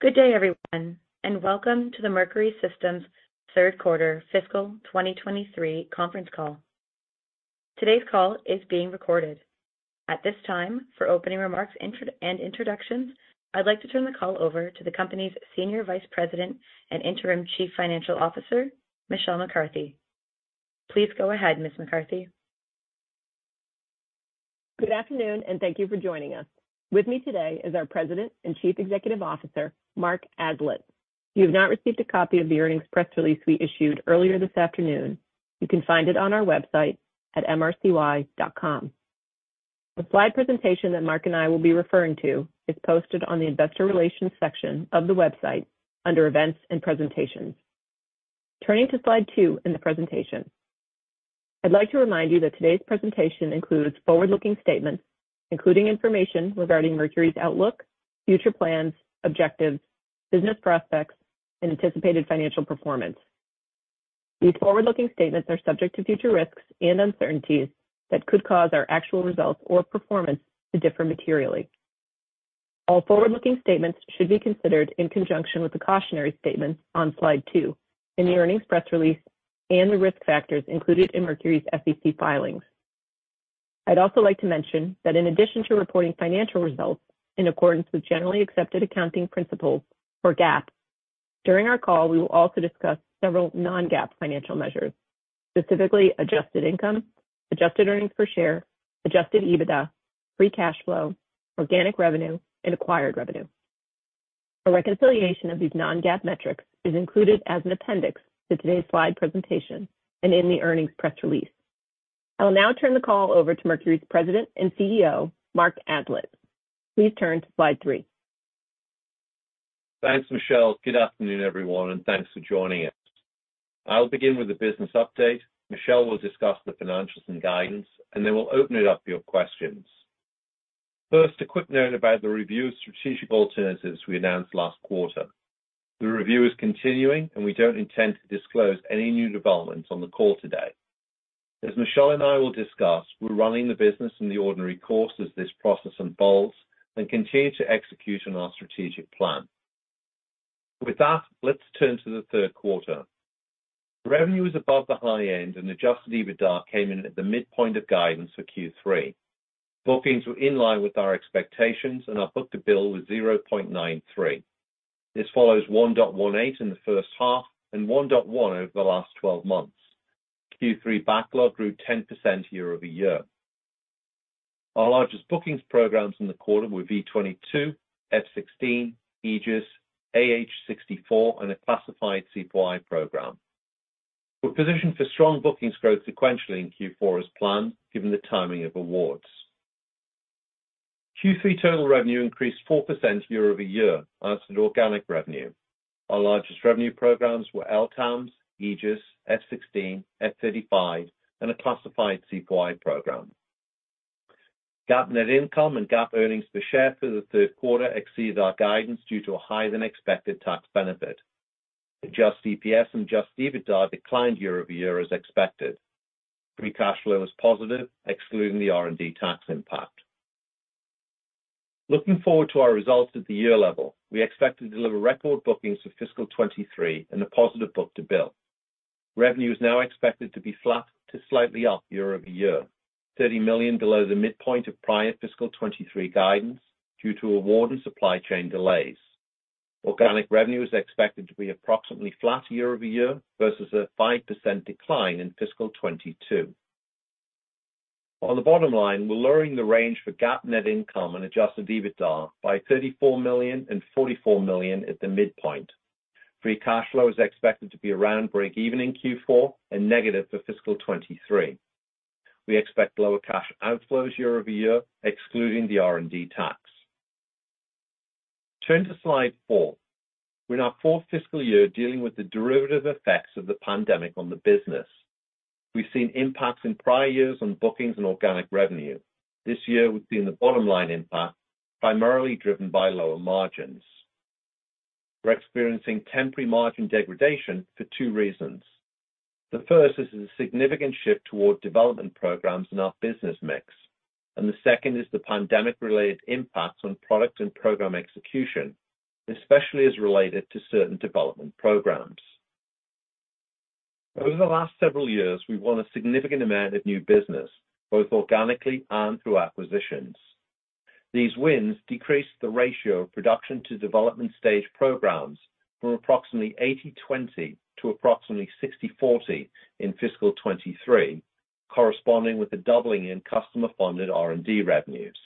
Good day, everyone, welcome to the Mercury Systems third quarter fiscal 2023 conference call. Today's call is being recorded. At this time, for opening remarks and introductions, I'd like to turn the call over to the company's Senior Vice President and Interim Chief Financial Officer, Michelle McCarthy. Please go ahead, Miss McCarthy. Good afternoon, and thank you for joining us. With me today is our President and Chief Executive Officer, Mark Aslett. If you have not received a copy of the earnings press release we issued earlier this afternoon, you can find it on our website at mrcy.com. The slide presentation that Mark and I will be referring to is posted on the investor relations section of the website under Events and Presentations. Turning to slide two in the presentation, I'd like to remind you that today's presentation includes forward-looking statements, including information regarding Mercury's outlook, future plans, objectives, business prospects, and anticipated financial performance. These forward-looking statements are subject to future risks and uncertainties that could cause our actual results or performance to differ materially. All forward-looking statements should be considered in conjunction with the cautionary statements on slide two in the earnings press release and the risk factors included in Mercury's SEC filings. I'd also like to mention that in addition to reporting financial results in accordance with generally accepted accounting principles for GAAP, during our call, we will also discuss several non-GAAP financial measures, specifically adjusted income, adjusted earnings per share, adjusted EBITDA, free cash flow, organic revenue, and acquired revenue. A reconciliation of these non-GAAP metrics is included as an appendix to today's slide presentation and in the earnings press release. I will now turn the call over to Mercury's President and CEO, Mark Aslett. Please turn to slide three. Thanks, Michelle. Good afternoon, everyone, and thanks for joining us. I will begin with a business update. Michelle will discuss the financials and guidance, and then we'll open it up for your questions. First, a quick note about the review of strategic alternatives we announced last quarter. The review is continuing, and we don't intend to disclose any new developments on the call today. As Michelle and I will discuss, we're running the business in the ordinary course as this process unfolds and continue to execute on our strategic plan. With that, let's turn to the Q3. Revenue was above the high end, and adjusted EBITDA came in at the midpoint of guidance for Q3. Bookings were in line with our expectations, and our book-to-bill was 0.93. This follows 1.18 in the first half and 1.1 over the last 12 months. Q3 backlog grew 10% year-over-year. Our largest bookings programs in the quarter were V-22, F-16, Aegis, AH-64, and a classified CPY program. We're positioned for strong bookings growth sequentially in Q4 as planned, given the timing of awards. Q3 total revenue increased 4% year-over-year as did organic revenue. Our largest revenue programs were LTAMDS, Aegis, F-16, F-35, and a classified CPY program. GAAP net income and GAAP earnings per share for the Q3 exceeded our guidance due to a higher-than-expected tax benefit. Adjusted EPS and adjusted EBITDA declined year-over-year as expected. Free cash flow was positive, excluding the R&D tax impact. Looking forward to our results at the year level, we expect to deliver record bookings for fiscal 2023 and a positive book-to-bill. Revenue is now expected to be flat to slightly up year-over-year, $30 million below the midpoint of prior fiscal 2023 guidance due to award and supply chain delays. Organic revenue is expected to be approximately flat year-over-year versus a 5% decline in fiscal 2022. On the bottom line, we're lowering the range for GAAP net income and adjusted EBITDA by $34 million and $44 million at the midpoint. Free cash flow is expected to be around breakeven in Q4 and negative for fiscal 2023. We expect lower cash outflows year-over-year, excluding the R&D tax. Turn to slide four. We're in our fourth fiscal year dealing with the derivative effects of the pandemic on the business. We've seen impacts in prior years on bookings and organic revenue. This year, we've seen the bottom line impact primarily driven by lower margins. We're experiencing temporary margin degradation for two reasons. The first is a significant shift toward development programs in our business mix, and the second is the pandemic-related impacts on product and program execution, especially as related to certain development programs. Over the last several years, we've won a significant amount of new business, both organically and through acquisitions. These wins decreased the ratio of production to development stage programs from approximately 80 to 20 to approximately 60 to 40 in fiscal 2023, corresponding with a doubling in customer-funded R&D revenues.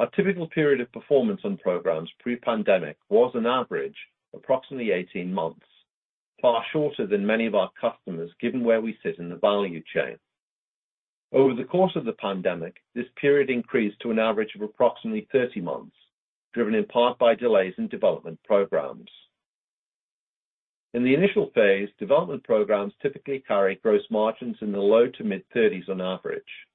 Our typical period of performance on programs pre-pandemic was an average approximately 18 months, far shorter than many of our customers, given where we sit in the value chain. Over the course of the pandemic, this period increased to an average of approximately 30 months, driven in part by delays in development programs. In the initial phase, development programs typically carry gross margins in the low to mid-30s on average.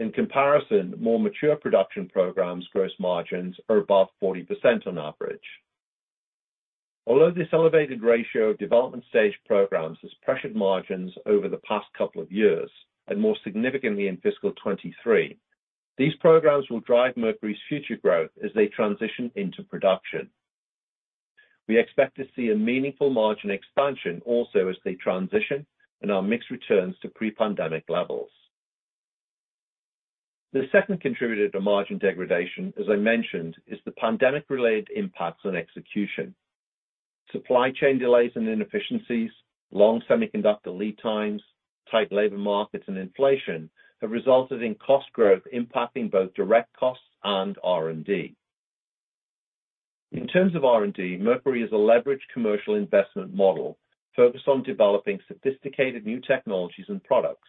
In comparison, more mature production programs' gross margins are above 40% on average. This elevated ratio of development stage programs has pressured margins over the past couple of years, and more significantly in fiscal 2023, these programs will drive Mercury's future growth as they transition into production. We expect to see a meaningful margin expansion also as they transition and our mix returns to pre-pandemic levels. The second contributor to margin degradation, as I mentioned, is the pandemic-related impacts on execution. Supply chain delays and inefficiencies, long semiconductor lead times, tight labor markets and inflation have resulted in cost growth impacting both direct costs and R&D. In terms of R&D, Mercury is a leveraged commercial investment model focused on developing sophisticated new technologies and products.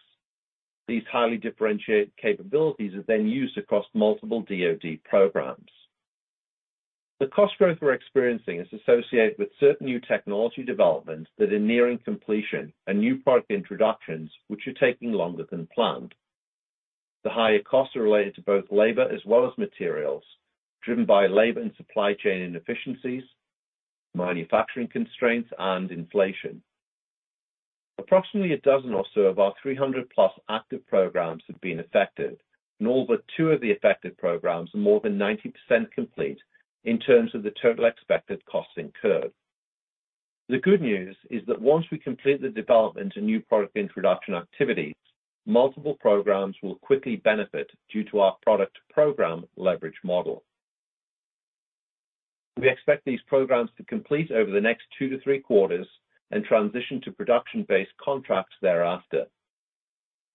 These highly differentiated capabilities are used across multiple DoD programs. The cost growth we're experiencing is associated with certain new technology developments that are nearing completion and new product introductions which are taking longer than planned. The higher costs are related to both labor as well as materials, driven by labor and supply chain inefficiencies, manufacturing constraints, and inflation. Approximately a dozen or so of our 300-plus active programs have been affected, all but two of the affected programs are more than 90% complete in terms of the total expected costs incurred. The good news is that once we complete the development and new product introduction activities, multiple programs will quickly benefit due to our product program leverage model. We expect these programs to complete over the next two, three quarters transition to production-based contracts thereafter.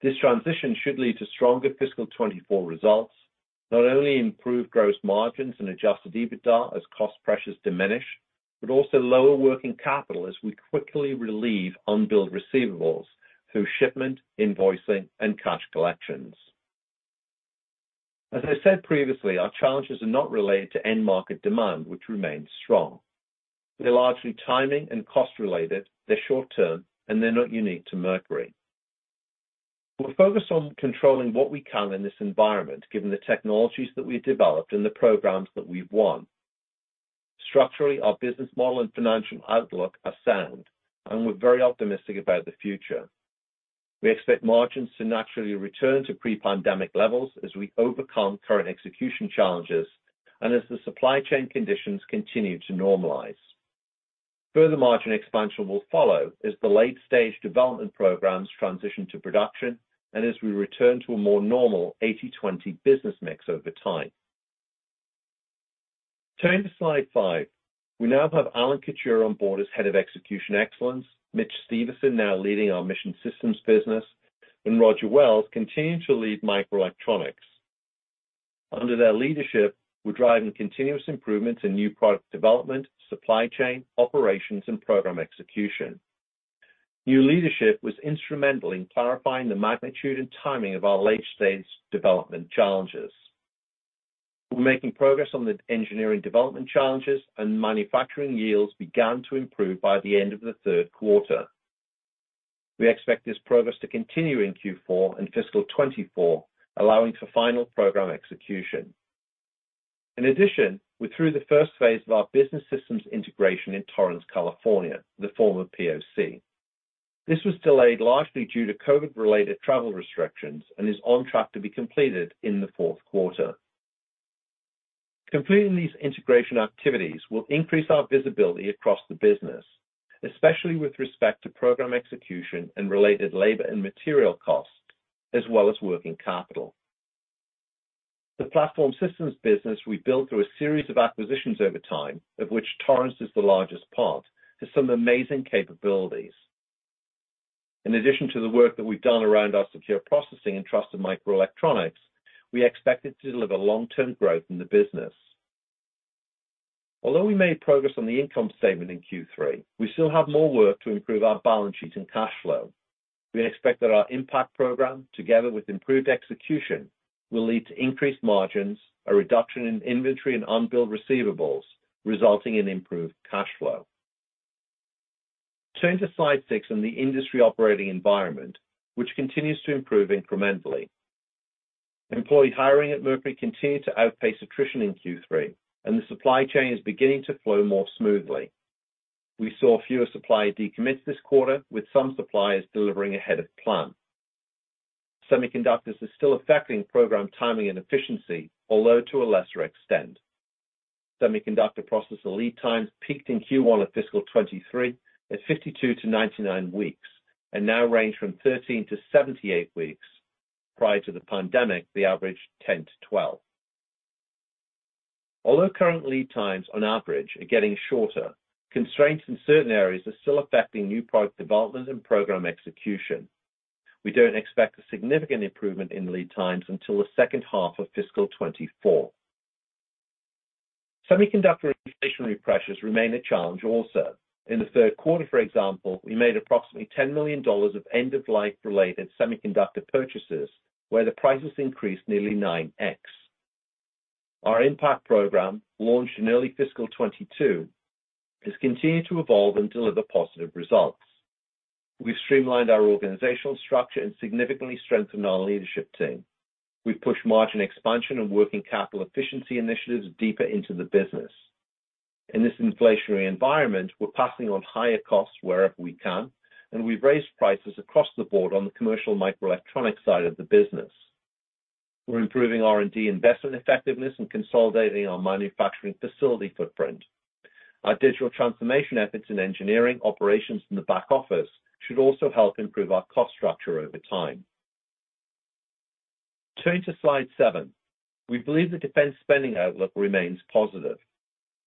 This transition should lead to stronger fiscal 2024 results, not only improve gross margins and adjusted EBITDA as cost pressures diminish, but also lower working capital as we quickly relieve unbilled receivables through shipment, invoicing and cash collections. As I said previously, our challenges are not related to end market demand, which remains strong. They're largely timing and cost-related, they're short-term, and they're not unique to Mercury. We're focused on controlling what we can in this environment, given the technologies that we developed and the programs that we've won. Structurally, our business model and financial outlook are sound, and we're very optimistic about the future. We expect margins to naturally return to pre-pandemic levels as we overcome current execution challenges and as the supply chain conditions continue to normalize. Further margin expansion will follow as the late-stage development programs transition to production, and as we return to a more normal 80/20 business mix over time. Turning to slide five, we now have Allen Couture on board as Head of Execution Excellence, Mitch Stevison now leading our Mission Systems business, and Roger Wells continuing to lead Microelectronics. Under their leadership, we're driving continuous improvements in new product development, supply chain, operations, and program execution. New leadership was instrumental in clarifying the magnitude and timing of our late-stage development challenges. We're making progress on the engineering development challenges and manufacturing yields began to improve by the end of the Q3. We expect this progress to continue in Q4 and fiscal 2024, allowing for final program execution. In addition, we're through the first phase of our business systems integration in Torrance, California, the former POC. This was delayed largely due to COVID-related travel restrictions and is on track to be completed in the Q4. Completing these integration activities will increase our visibility across the business, especially with respect to program execution and related labor and material costs, as well as working capital. The platform systems business we built through a series of acquisitions over time, of which Torrance is the largest part, has some amazing capabilities. In addition to the work that we've done around our secure processing and trusted microelectronics, we expect it to deliver long-term growth in the business. Although we made progress on the income statement in Q3, we still have more work to improve our balance sheet and cash flow. We expect that our IMPACT program, together with improved execution, will lead to increased margins, a reduction in inventory and unbilled receivables, resulting in improved cash flow. Turning to slide six on the industry operating environment, which continues to improve incrementally. Employee hiring at Mercury continued to outpace attrition in Q3. The supply chain is beginning to flow more smoothly. We saw fewer supplier decommits this quarter, with some suppliers delivering ahead of plan. Semiconductors are still affecting program timing and efficiency, although to a lesser extent. Semiconductor processor lead times peaked in Q1 of fiscal 2023 at 52 to 99 weeks and now range from 13 to 78 weeks. Prior to the pandemic, they averaged 10 to 12. Current lead times on average are getting shorter, constraints in certain areas are still affecting new product development and program execution. We don't expect a significant improvement in lead times until the second half of fiscal 2024. Semiconductor inflationary pressures remain a challenge also. In the Q3, for example, we made approximately $10 million of end-of-life related semiconductor purchases, where the prices increased nearly 9x. Our IMPACT program, launched in early fiscal 2022, has continued to evolve and deliver positive results. We've streamlined our organizational structure and significantly strengthened our leadership team. We've pushed margin expansion and working capital efficiency initiatives deeper into the business. In this inflationary environment, we're passing on higher costs wherever we can, and we've raised prices across the board on the commercial Microelectronics side of the business. We're improving R&D investment effectiveness and consolidating our manufacturing facility footprint. Our digital transformation efforts in engineering operations in the back office should also help improve our cost structure over time. Turning to slide seven. We believe the defense spending outlook remains positive.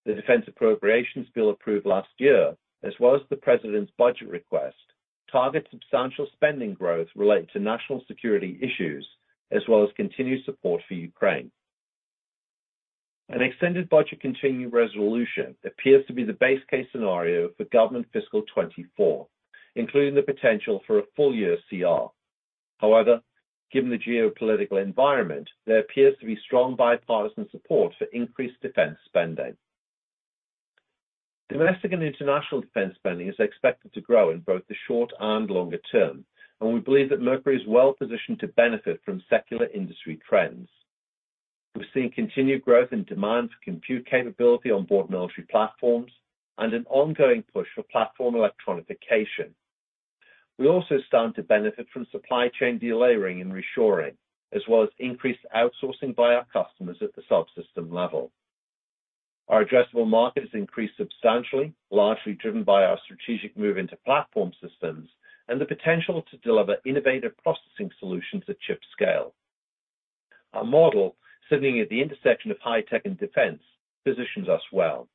The defense appropriations bill approved last year, as well as the president's budget request, targets substantial spending growth related to national security issues, as well as continued support for Ukraine. An extended budget continuing resolution appears to be the base case scenario for government fiscal 2024, including the potential for a full-year CR. Given the geopolitical environment, there appears to be strong bipartisan support for increased defense spending. Domestic and international defense spending is expected to grow in both the short and longer term, and we believe that Mercury is well-positioned to benefit from secular industry trends. We're seeing continued growth in demand for compute capability on board military platforms and an ongoing push for platform electronicification. We also stand to benefit from supply chain delayering and reshoring, as well as increased outsourcing by our customers at the subsystem level. Our addressable market has increased substantially, largely driven by our strategic move into platform systems and the potential to deliver innovative processing solutions at chip scale. Our model, sitting at the intersection of high tech and defense, positions us well.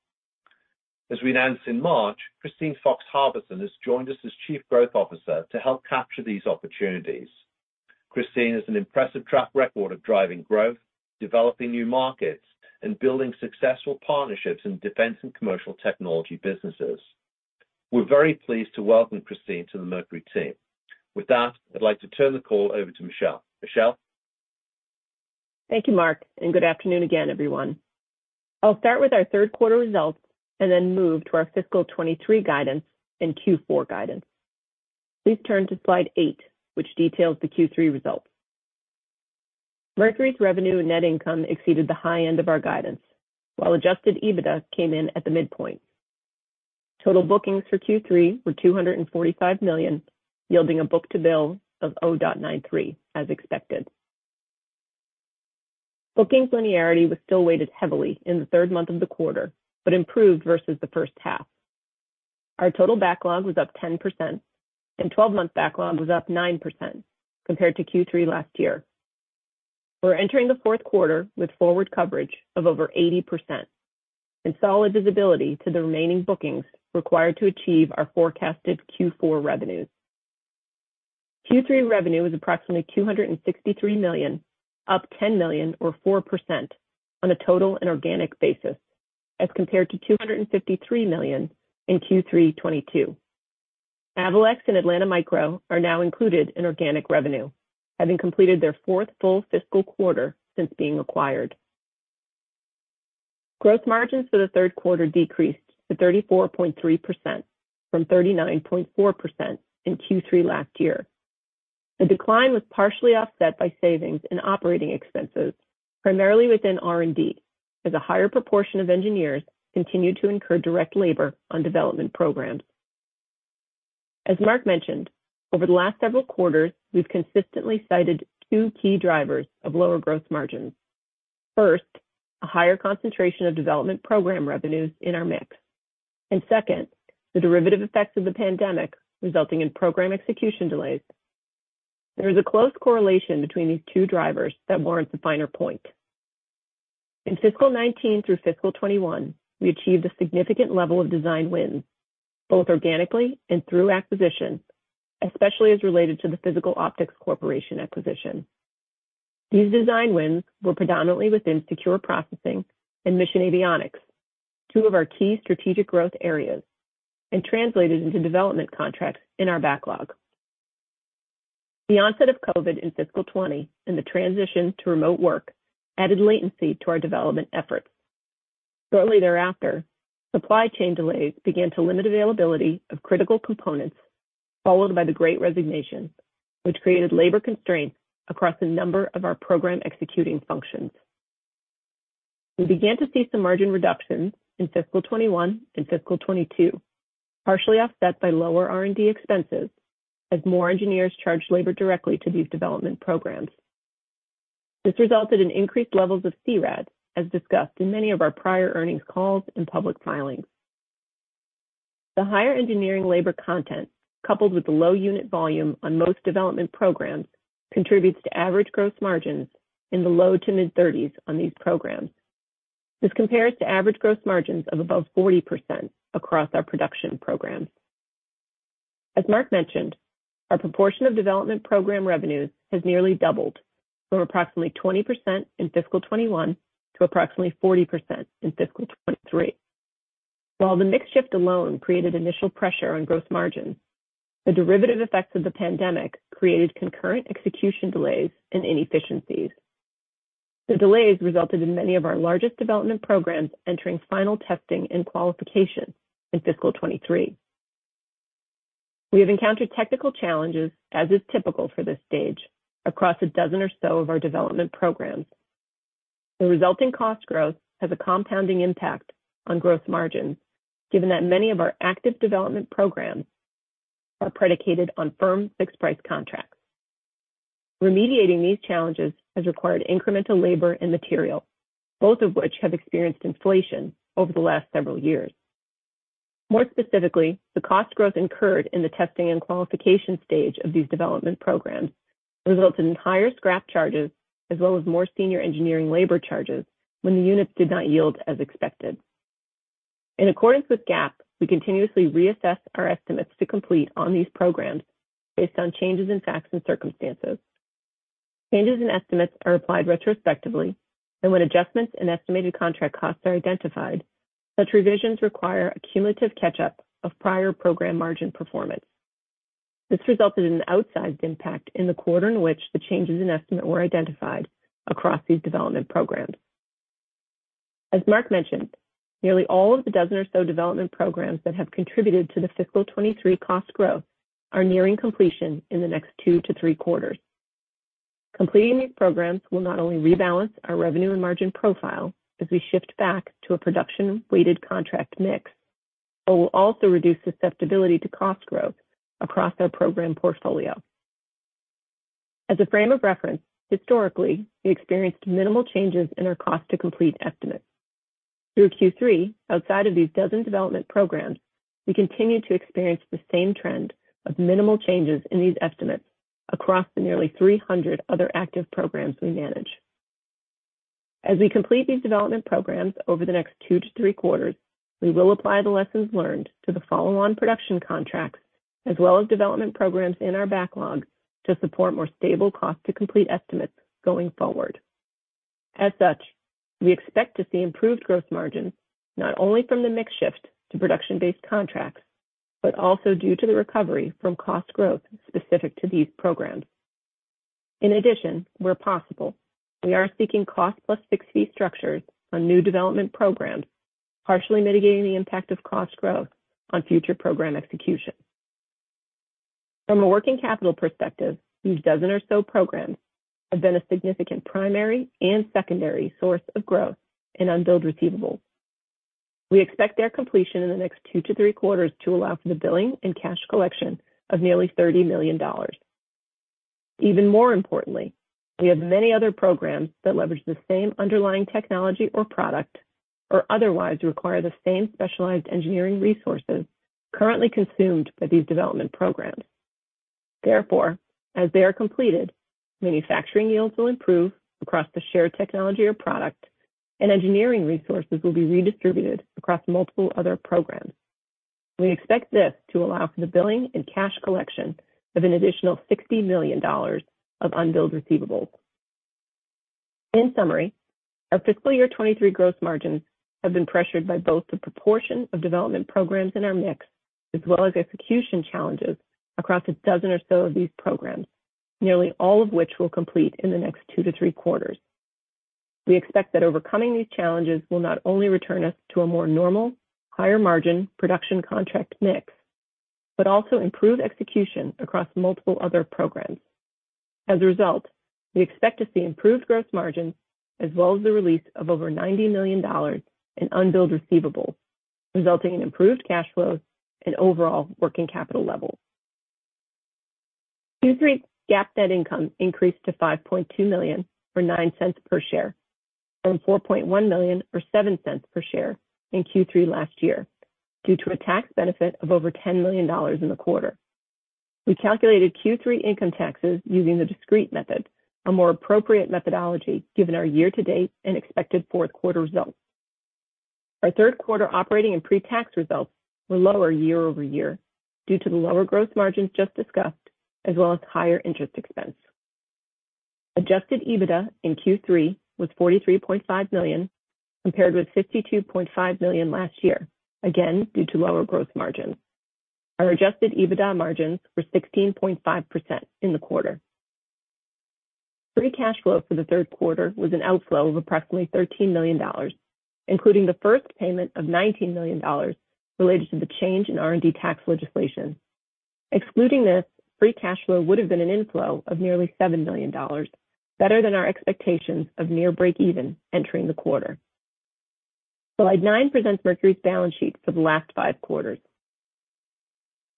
As we announced in March, Christine Fox has joined us as Chief Growth Officer to help capture these opportunities. Christine has an impressive track record of driving growth, developing new markets, and building successful partnerships in defense and commercial technology businesses. We're very pleased to welcome Christine to the Mercury team. With that, I'd like to turn the call over to Michelle. Michelle? Thank you, Mark, good afternoon again, everyone. I'll start with our fiscal 2023 guidance and Q4 guidance. Please turn to slide eight, which details the Q3 results. Mercury's revenue and net income exceeded the high end of our guidance, while adjusted EBITDA came in at the midpoint. Total bookings for Q3 were $245 million, yielding a book-to-bill of 0.93, as expected. Bookings linearity was still weighted heavily in the third month of the quarter, but improved versus the first half. Our total backlog was up 10% and 12 month backlog was up 9% compared to Q3 last year. We're entering the Q4 with forward coverage of over 80% and solid visibility to the remaining bookings required to achieve our forecasted Q4 revenues. Q3 revenue was approximately $263 million, up $10 million or 4% on a total and organic basis as compared to $253 million in Q3 2022. Avalex and Atlanta Micro are now included in organic revenue, having completed their fourth full fiscal quarter since being acquired. Gross margins for the Q3 decreased to 34.3% from 39.4% in Q3 last year. The decline was partially offset by savings in operating expenses, primarily within R&D, as a higher proportion of engineers continued to incur direct labor on development programs. As Mark mentioned, over the last several quarters, we've consistently cited two key drivers of lower gross margins. First, a higher concentration of development program revenues in our mix. Second, the derivative effects of the pandemic resulting in program execution delays. There is a close correlation between these two drivers that warrants a finer point. In fiscal 2019 through fiscal 2021, we achieved a significant level of design wins, both organically and through acquisition, especially as related to the Physical Optics Corporation acquisition. These design wins were predominantly within secure processing and mission avionics, two of our key strategic growth areas, and translated into development contracts in our backlog. The onset of COVID in fiscal 2020 and the transition to remote work added latency to our development efforts. Shortly thereafter, supply chain delays began to limit availability of critical components, followed by the Great Resignation, which created labor constraints across a number of our program-executing functions. We began to see some margin reductions in fiscal 2021 and fiscal 2022, partially offset by lower R&D expenses as more engineers charged labor directly to these development programs. This resulted in increased levels of CRAD, as discussed in many of our prior earnings calls and public filings. The higher engineering labor content, coupled with the low unit volume on most development programs, contributes to average gross margins in the low to mid-thirties on these programs. This compares to average gross margins of above 40% across our production programs. As Mark mentioned, our proportion of development program revenues has nearly doubled from approximately 20% in fiscal 2021 to approximately 40% in fiscal 2023. While the mix shift alone created initial pressure on gross margins, the derivative effects of the pandemic created concurrent execution delays and inefficiencies. The delays resulted in many of our largest development programs entering final testing and qualification in fiscal 2023. We have encountered technical challenges, as is typical for this stage, across a dozen or so of our development programs. The resulting cost growth has a compounding impact on growth margins, given that many of our active development programs are predicated on firm-fixed-price contracts. Remediating these challenges has required incremental labor and material, both of which have experienced inflation over the last several years. More specifically, the cost growth incurred in the testing and qualification stage of these development programs results in higher scrap charges as well as more senior engineering labor charges when the units did not yield as expected. In accordance with GAAP, we continuously reassess our estimates to complete on these programs based on changes in facts and circumstances. Changes in estimates are applied retrospectively, and when adjustments in estimated contract costs are identified, such revisions require a cumulative catch-up of prior program margin performance. This resulted in an outsized impact in the quarter in which the changes in estimate were identified across these development programs. As Mark mentioned, nearly all of the dozen or so development programs that have contributed to the fiscal 2023 cost growth are nearing completion in the next two to three quarters. Completing these programs will not only rebalance our revenue and margin profile as we shift back to a production-weighted contract mix, but will also reduce susceptibility to cost growth across our program portfolio. As a frame of reference, historically, we experienced minimal changes in our cost to complete estimates. Through Q3, outside of these dozen development programs, we continue to experience the same trend of minimal changes in these estimates across the nearly 300 other active programs we manage. As we complete these development programs over the next two to three quarters, we will apply the lessons learned to the follow-on production contracts as well as development programs in our backlog to support more stable cost to complete estimates going forward. As such, we expect to see improved gross margins, not only from the mix shift to production-based contracts, but also due to the recovery from cost growth specific to these programs. In addition, where possible, we are seeking cost-plus-fixed-fee structures on new development programs, partially mitigating the impact of cost growth on future program execution. From a working capital perspective, these dozen or so programs have been a significant primary and secondary source of growth in unbilled receivables. We expect their completion in the next two to three quarters to allow for the billing and cash collection of nearly $30 million. Even more importantly, we have many other programs that leverage the same underlying technology or product or otherwise require the same specialized engineering resources currently consumed by these development programs. Therefore, as they are completed, manufacturing yields will improve across the shared technology or product, and engineering resources will be redistributed across multiple other programs. We expect this to allow for the billing and cash collection of an additional $60 million of unbilled receivables. In summary, our fiscal year 2023 gross margins have been pressured by both the proportion of development programs in our mix as well as execution challenges across a dozen or so of these programs, nearly all of which will complete in the next two to three quarters. We expect that overcoming these challenges will not only return us to a more normal, higher margin production contract mix, but also improve execution across multiple other programs. As a result, we expect to see improved gross margins as well as the release of over $90 million in unbilled receivables, resulting in improved cash flows and overall working capital levels. Q3 GAAP net income increased to $5.2 million or $0.09 per share from $4.1 million or $0.07 per share in Q3 last year due to a tax benefit of over $10 million in the quarter. We calculated Q3 income taxes using the discrete method, a more appropriate methodology given our year-to-date and expected Q4 results. Our Q3 operating and pre-tax results were lower year-over-year due to the lower gross margins just discussed, as well as higher interest expense. Adjusted EBITDA in Q3 was $43.5 million, compared with $52.5 million last year, again due to lower gross margins. Our adjusted EBITDA margins were 16.5% in the quarter. Free cash flow for the Q3 was an outflow of approximately $13 million, including the first payment of $19 million related to the change in R&D tax legislation. Excluding this, free cash flow would have been an inflow of nearly $7 million, better than our expectations of near breakeven entering the quarter. Slide nine presents Mercury's balance sheet for the last five quarters.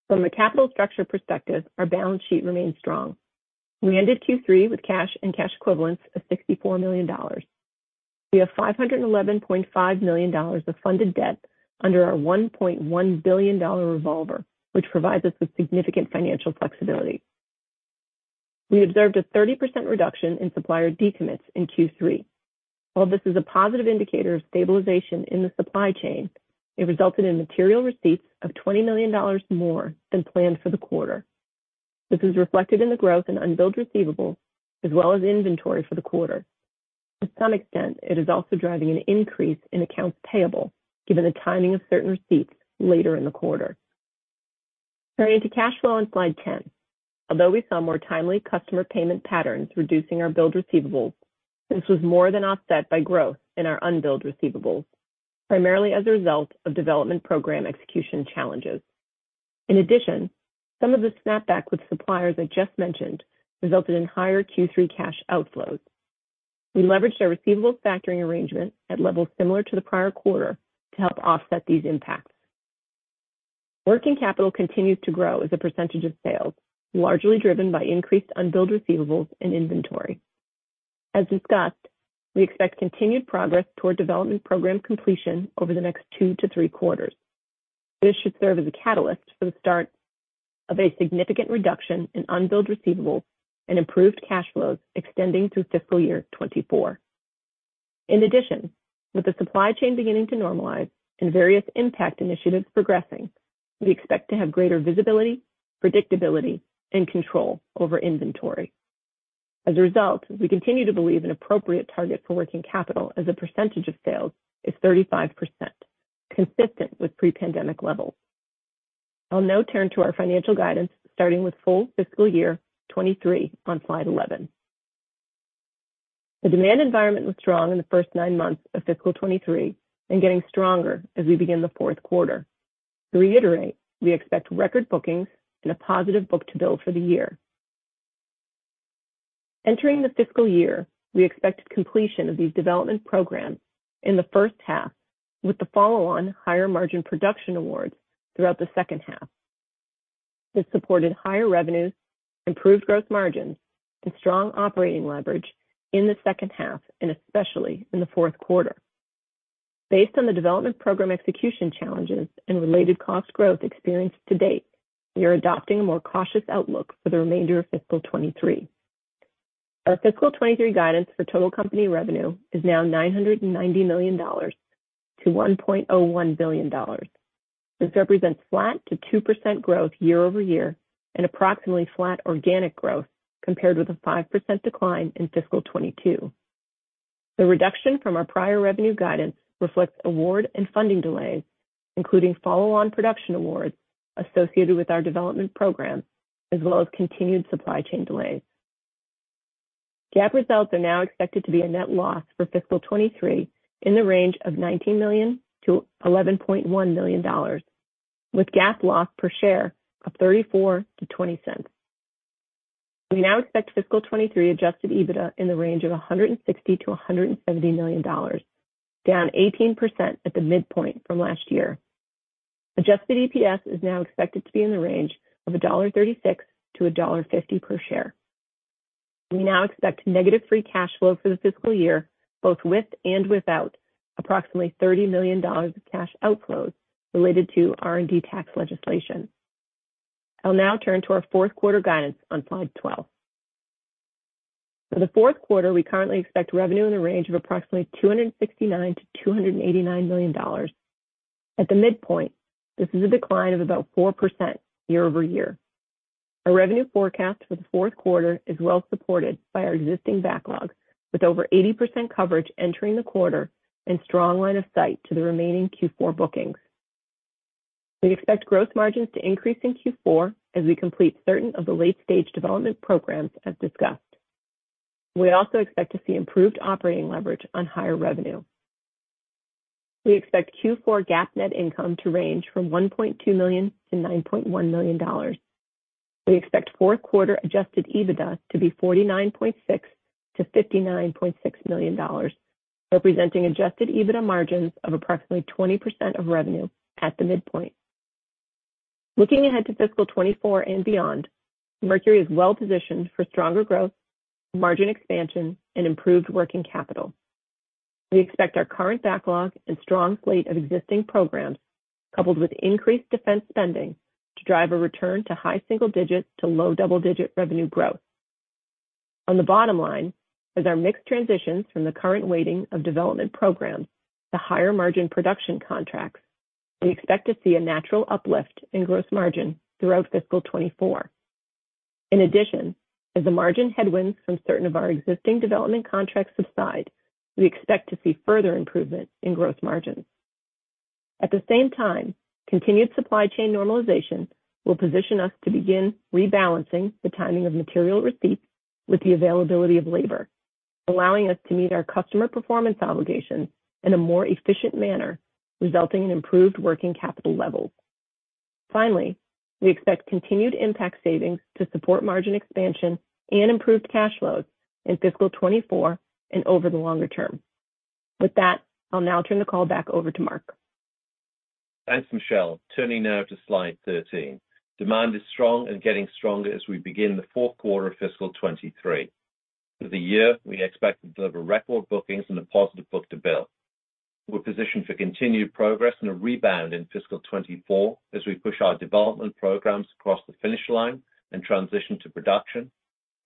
From a capital structure perspective, our balance sheet remains strong. We ended Q3 with cash and cash equivalents of $64 million. We have $511.5 million of funded debt under our $1.1 billion revolver, which provides us with significant financial flexibility. We observed a 30% reduction in supplier decommits in Q3. While this is a positive indicator of stabilization in the supply chain, it resulted in material receipts of $20 million more than planned for the quarter. This is reflected in the growth in unbilled receivables as well as inventory for the quarter. To some extent, it is also driving an increase in accounts payable given the timing of certain receipts later in the quarter. Turning to cash flow on slide 10. Although we saw more timely customer payment patterns reducing our build receivables, this was more than offset by growth in our unbilled receivables, primarily as a result of development program execution challenges. In addition, some of the snapback with suppliers I just mentioned resulted in higher Q3 cash outflows. We leveraged our receivables factoring arrangement at levels similar to the prior quarter to help offset these impacts. Working capital continues to grow as a percentage of sales, largely driven by increased unbilled receivables and inventory. As discussed, we expect continued progress toward development program completion over the next two to three quarters. This should serve as a catalyst for the start of a significant reduction in unbilled receivables and improved cash flows extending through fiscal year 2024. In addition, with the supply chain beginning to normalize and various IMPACT initiatives progressing, we expect to have greater visibility, predictability, and control over inventory. As a result, we continue to believe an appropriate target for working capital as a percentage of sales is 35%, consistent with pre-pandemic levels. I'll now turn to our financial guidance starting with full fiscal year 2023 on slide 11. The demand environment was strong in the first nine months of fiscal 2023 and getting stronger as we begin the Q4. To reiterate, we expect record bookings and a positive book-to-bill for the year. Entering the fiscal year, we expected completion of these development programs in the first half with the follow-on higher margin production awards throughout the second half. This supported higher revenues, improved gross margins and strong operating leverage in the second half, and especially in the Q4. Based on the development program execution challenges and related cost growth experienced to date, we are adopting a more cautious outlook for the remainder of fiscal 2023. Our fiscal 2023 guidance for total company revenue is now $990 million to $1.01 billion. This represents flat to 2% growth year-over-year and approximately flat organic growth compared with a 5% decline in fiscal 2022. The reduction from our prior revenue guidance reflects award and funding delays, including follow-on production awards associated with our development programs, as well as continued supply chain delays. GAAP results are now expected to be a net loss for fiscal 2023 in the range of $19 million to $11.1 million, with GAAP loss per share of $0.34 to $0.20. We now expect fiscal 2023 adjusted EBITDA in the range of $160 million to $170 million, down 18% at the midpoint from last year. Adjusted EPS is now expected to be in the range of $1.36 to $1.50 per share. We now expect negative free cash flow for the fiscal year, both with and without approximately $30 million of cash outflows related to R&D tax legislation. I'll now turn to our Q4 guidance on slide 12. For the Q4, we currently expect revenue in the range of approximately $269 million-$289 million. At the midpoint, this is a decline of about 4% year-over-year. Our revenue forecast for the Q4 is well supported by our existing backlog, with over 80% coverage entering the quarter and strong line of sight to the remaining Q4 bookings. We expect growth margins to increase in Q4 as we complete certain of the late-stage development programs as discussed. We also expect to see improved operating leverage on higher revenue. We expect Q4 GAAP net income to range from $1.2 million-$9.1 million. We expect Q4 adjusted EBITDA to be $49.6 million-$59.6 million, representing adjusted EBITDA margins of approximately 20% of revenue at the midpoint. Looking ahead to fiscal 2024 and beyond, Mercury is well positioned for stronger growth, margin expansion and improved working capital. We expect our current backlog and strong slate of existing programs, coupled with increased defense spending, to drive a return to high single digits to low double-digit revenue growth. On the bottom line, as our mix transitions from the current weighting of development programs to higher margin production contracts, we expect to see a natural uplift in gross margin throughout fiscal 2024. In addition, as the margin headwinds from certain of our existing development contracts subside, we expect to see further improvement in gross margins. At the same time, continued supply chain normalization will position us to begin rebalancing the timing of material receipts with the availability of labor, allowing us to meet our customer performance obligations in a more efficient manner, resulting in improved working capital levels. We expect continued IMPACT savings to support margin expansion and improved cash flows in fiscal 2024 and over the longer term. With that, I'll now turn the call back over to Mark. Thanks, Michelle. Turning now to slide 13. Demand is strong and getting stronger as we begin the Q4 of fiscal 2023. For the year, we expect to deliver record bookings and a positive book-to-bill. We're positioned for continued progress and a rebound in fiscal 2024 as we push our development programs across the finish line and transition to production,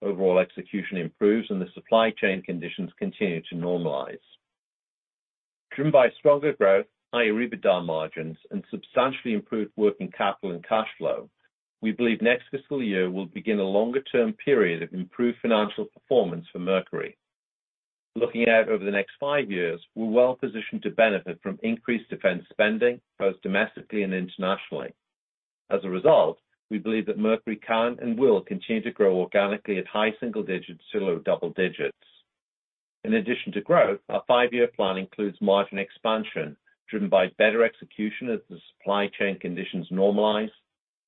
overall execution improves, and the supply chain conditions continue to normalize. Driven by stronger growth, higher EBITDA margins and substantially improved working capital and cash flow, we believe next fiscal year will begin a longer-term period of improved financial performance for Mercury. As a result, we believe that Mercury can and will continue to grow organically at high single digits to low double digits. In addition to growth, our five year plan includes margin expansion driven by better execution as the supply chain conditions normalize,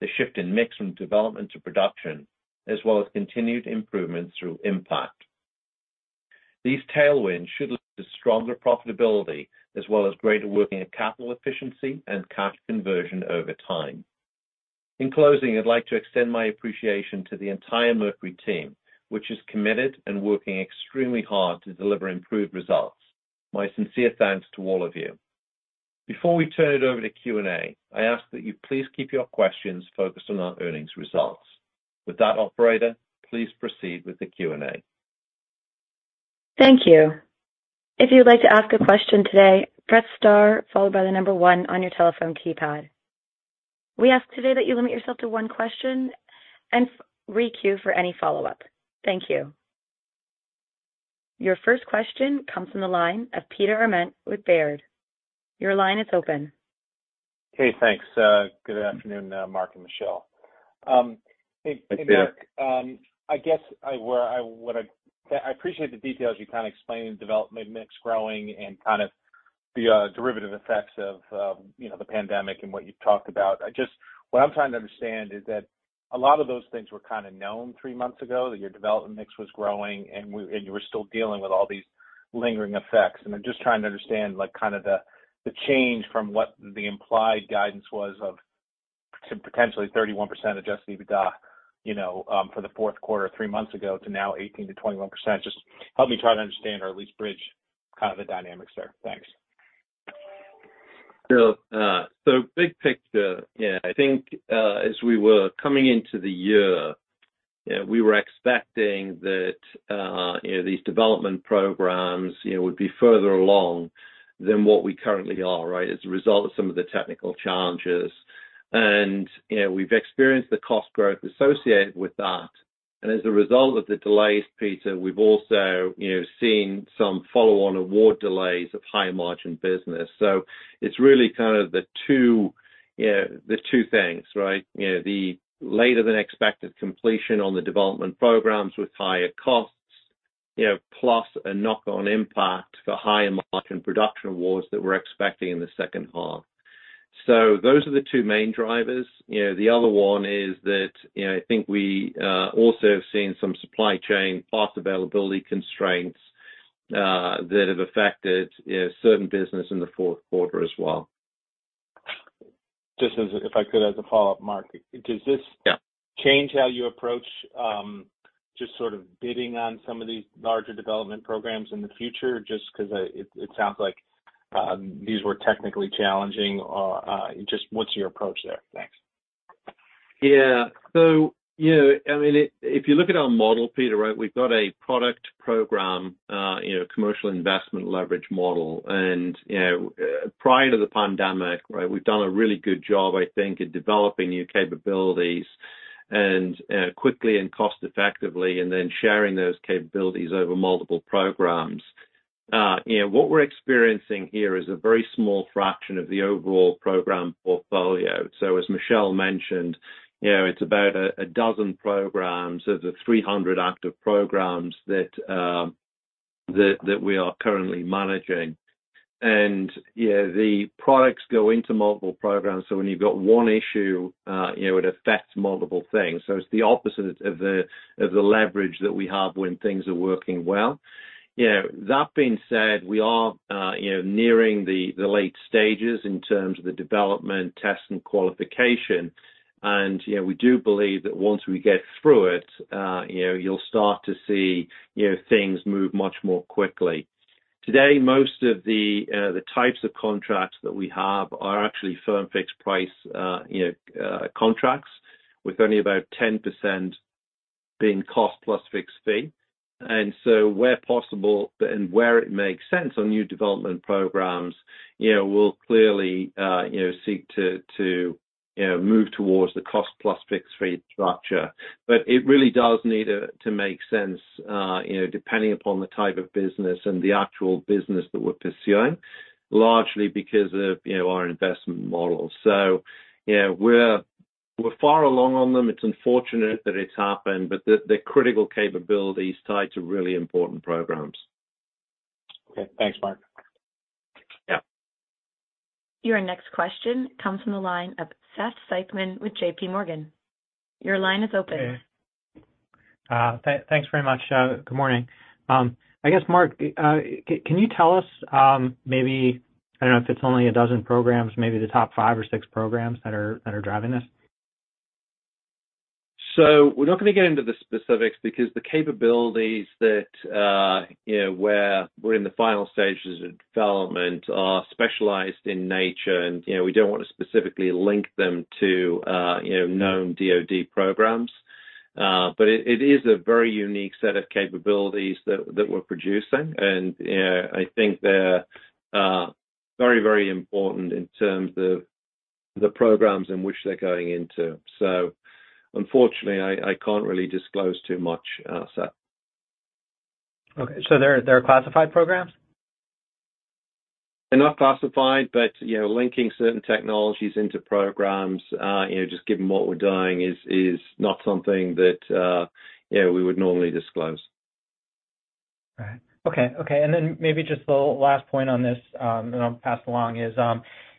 the shift in mix from development to production, as well as continued improvements through IMPACT. These tailwinds should lead to stronger profitability as well as greater working and capital efficiency and cash conversion over time. In closing, I'd like to extend my appreciation to the entire Mercury team, which is committed and working extremely hard to deliver improved results. My sincere thanks to all of you. Before we turn it over to Q&A, I ask that you please keep your questions focused on our earnings results. With that, operator, please proceed with the Q&A. Thank you. If you'd like to ask a question today, press star followed by the number one on your telephone keypad. We ask today that you limit yourself to one question and re-queue for any follow-up. Thank you. Your first question comes from the line of Peter Arment with Baird. Your line is open. Hey, thanks. Good afternoon, Mark and Michelle. Hey, Mark. I appreciate the details you kind of explained, development mix growing and kind of the derivative effects of, you know, the pandemic and what you've talked about. What I'm trying to understand is that a lot of those things were kinda known three months ago, that your development mix was growing and you were still dealing with all these lingering effects. I'm just trying to understand like kind of the change from what the implied guidance was of potentially 31% adjusted EBITDA, you know, for the Q4, three months ago to now 18%-21%. Just help me try to understand or at least bridge kind of the dynamics there. Thanks. Big picture, I think, as we were coming into the year, you know, we were expecting that, you know, these development programs, you know, would be further along than what we currently are, right? As a result of some of the technical challenges. You know, we've experienced the cost growth associated with that. As a result of the delays, Peter, we've also, you know, seen some follow-on award delays of high margin business. It's really kind of the two, you know, the two things, right? You know, the later than expected completion on the development programs with higher costs, you know, plus a knock-on impact for higher margin production awards that we're expecting in the second half. Those are the two main drivers. You know, the other one is that, you know, I think we also have seen some supply chain part availability constraints that have affected, you know, certain business in the Q4 as well. If I could, as a follow-up, Mark, does this? Yeah. -change how you approach, just sort of bidding on some of these larger development programs in the future? Just 'cause, it sounds like, these were technically challenging, just what's your approach there? Thanks. Yeah. So, you know, I mean, if you look at our model, Peter, right, we've got a product program, you know, commercial investment leverage model. You know, prior to the pandemic, right, we've done a really good job, I think, in developing new capabilities and quickly and cost effectively, and then sharing those capabilities over multiple programs. You know, what we're experiencing here is a very small fraction of the overall program portfolio. So as Michelle mentioned, you know, it's about a dozen programs. So it's a 300 active programs that we are currently managing. You know, the products go into multiple programs. So when you've got one issue, you know, it affects multiple things. So it's the opposite of the, of the leverage that we have when things are working well. You know, that being said, we are, you know, nearing the late stages in terms of the development, test, and qualification. You know, we do believe that once we get through it, you know, you'll start to see, you know, things move much more quickly. Today, most of the types of contracts that we have are actually firm-fixed-price, you know, contracts with only about 10% being cost-plus-fixed-fee. Where possible and where it makes sense on new development programs, you know, we'll clearly, you know, seek to, you know, move towards the cost-plus-fixed-fee structure. It really does need to make sense, you know, depending upon the type of business and the actual business that we're pursuing, largely because of, you know, our investment model. You know, we're far along on them. It's unfortunate that it's happened, but they're critical capabilities tied to really important programs. Okay. Thanks, Mark. Yeah. Your next question comes from the line of Seth Seifman with J.P. Morgan. Your line is open. Okay. Thanks very much. Good morning. I guess, Mark, can you tell us, maybe, I don't know if it's only 12 programs, maybe the top five or six programs that are driving this. We're not gonna get into the specifics because the capabilities that, you know, where we're in the final stages of development are specialized in nature, and, you know, we don't wanna specifically link them to, you know, known DoD programs. It is a very unique set of capabilities that we're producing. You know, I think they're very important in terms of the programs in which they're going into. Unfortunately, I can't really disclose too much, Seth. Okay. They're classified programs? They're not classified, but, you know, linking certain technologies into programs, you know, just given what we're doing is not something that, you know, we would normally disclose. All right. Okay. Okay. Maybe just the last point on this, then I'll pass along, is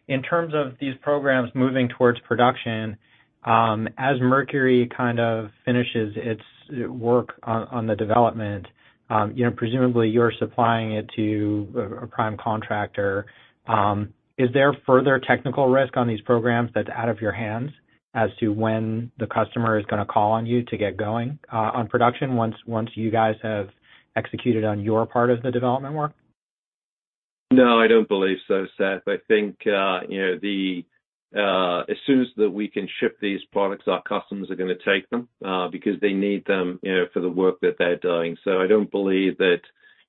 in terms of these programs moving towards production, as Mercury kind of finishes its work on the development, you know, presumably you're supplying it to a prime contractor. Is there further technical risk on these programs that's out of your hands as to when the customer is gonna call on you to get going on production once you guys have executed on your part of the development work? No, I don't believe so, Seth. I think, you know, the, as soon as that we can ship these products, our customers are gonna take them, because they need them, you know, for the work that they're doing. I don't believe that,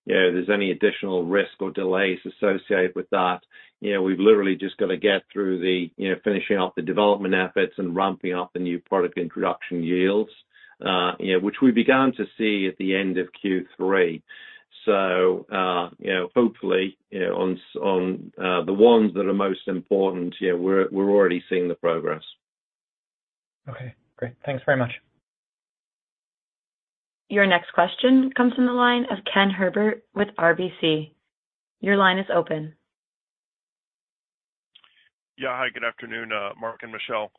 you know, there's any additional risk or delays associated with that. You know, we've literally just got to get through the, you know, finishing off the development efforts and ramping up the new product introduction yields, you know, which we began to see at the end of Q3. Hopefully, you know, on on, the ones that are most important, you know, we're already seeing the progress. Okay, great. Thanks very much. Your next question comes from the line of Ken Herbert with RBC. Your line is open. Yeah. Hi, good afternoon, Mark and Michelle.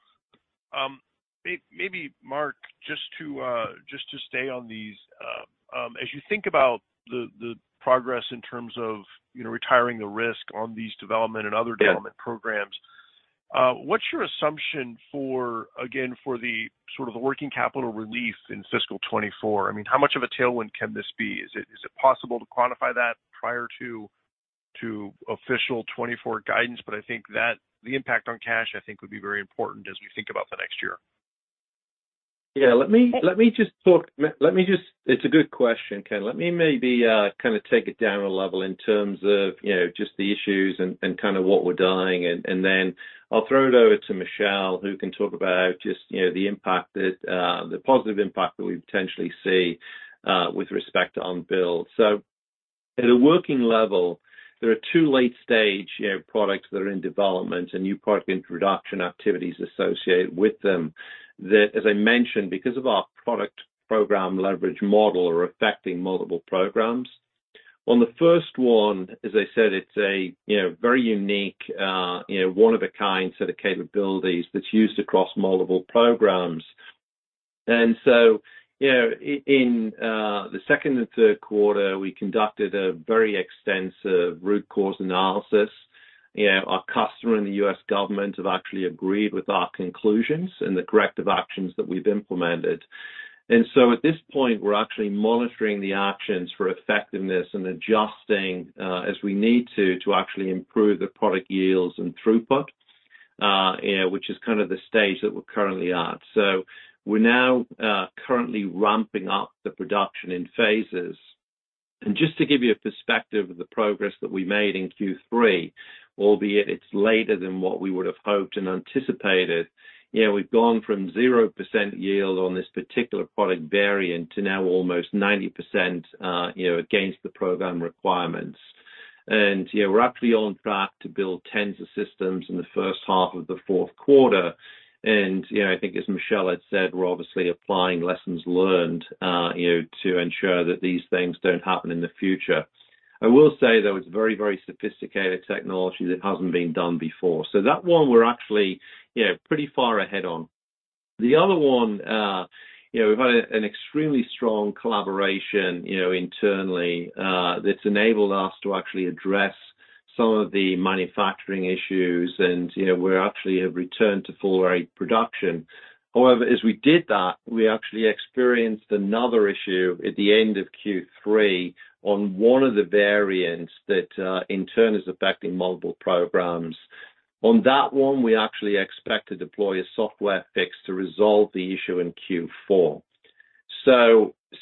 Maybe Mark, just to, just to stay on these, as you think about the progress in terms of, you know, retiring the risk on these development and other-. Yeah. -development programs, what's your assumption for, again, for the sort of the working capital relief in fiscal 2024? I mean, how much of a tailwind can this be? Is it possible to quantify that prior to official 2024 guidance? I think that the impact on cash would be very important as we think about the next year. Yeah. Let me. Hey- Let me just. It's a good question, Ken. Let me maybe kind of take it down a level in terms of, you know, just the issues and kind of what we're doing. Then I'll throw it over to Michelle, who can talk about just, you know, the impact that the positive impact that we potentially see with respect to unbilled. At a working level, there are two late stage, you know, products that are in development and new product introduction activities associated with them that, as I mentioned, because of our product program leverage model, are affecting multiple programs. On the first one, as I said, it's a, you know, very unique, you know, one of a kind set of capabilities that's used across multiple programs. You know, in the Q2 and Q3, we conducted a very extensive root cause analysis. You know, our customer and the U.S. government have actually agreed with our conclusions and the corrective actions that we've implemented. At this point, we're actually monitoring the actions for effectiveness and adjusting as we need to actually improve the product yields and throughput, you know, which is kind of the stage that we're currently at. We're now currently ramping up the production in phases. Just to give you a perspective of the progress that we made in Q3, albeit it's later than what we would have hoped and anticipated, you know, we've gone from 0% yield on this particular product variant to now almost 90%, you know, against the program requirements. You know, we're actually on track to build 10s of systems in the first half of the Q4. You know, I think as Michelle McCarthy had said, we're obviously applying lessons learned, you know, to ensure that these things don't happen in the future. I will say, though, it's very, very sophisticated technology that hasn't been done before. That one we're actually, you know, pretty far ahead on. The other one, you know, we've had an extremely strong collaboration, you know, internally, that's enabled us to actually address some of the manufacturing issues and, you know, we actually have returned to full rate production. However, as we did that, we actually experienced another issue at the end of Q3 on one of the variants that, in turn is affecting multiple programs. On that one, we actually expect to deploy a software fix to resolve the issue in Q4.